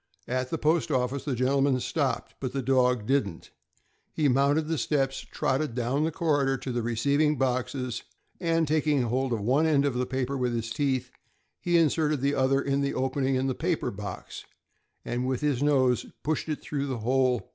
At the post office, the gentleman stopped, but the dog didn't. He mounted the steps, trotted down the corridor to the receiving boxes, and taking hold of one end of the paper in his teeth, he inserted the other in the opening into the paper box, and with his nose pushed it through the hole.